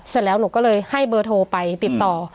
เสร็จแล้วหนูก็เลยให้เบอร์โทรไปติดต่อ